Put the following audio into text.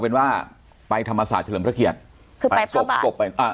เป็นว่าไปธรรมศาสตร์เฉลิมพระเกียรติคือไปศพศพไปอ่า